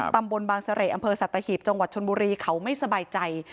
ตำบลบางเสร่อำเภอสัตหีบจังหวัดชนบุรีเขาไม่สบายใจ